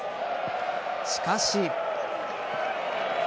しかし。